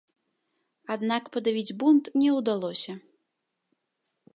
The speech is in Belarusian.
Аднак падавіць бунт не ўдалося.